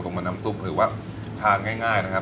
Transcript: กบตรงกับน้ำซุปถือว่าทานง่ายนะครับ